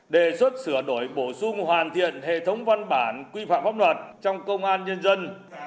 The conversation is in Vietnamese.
đề xuất sửa đổi bổ sung hoàn thiện hệ thống văn bản quy phạm pháp luật trong công an nhân dân